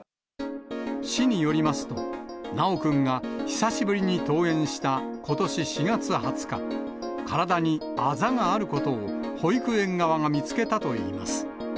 市によりますと、修くんが久しぶりに登園したことし４月２０日、体にあざがあることを保育園側が見つけたといいます。